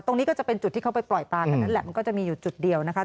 ตรงนี้ก็จะเป็นจุดที่เข้าไปปล่อยปลากันแหละมันก็จะมีอยู่จุดเดียวนะครับ